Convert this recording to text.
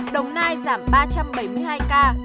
đồng nai giảm ba trăm bảy mươi hai ca